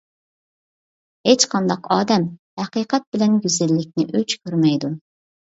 ھېچقانداق ئادەم ھەقىقەت بىلەن گۈزەللىكنى ئۆچ كۆرمەيدۇ.